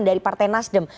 dari partai nasdaq